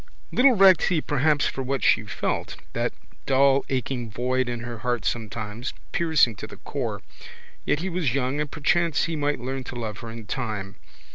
Little recked he perhaps for what she felt, that dull aching void in her heart sometimes, piercing to the core. Yet he was young and perchance he might learn to love her in time.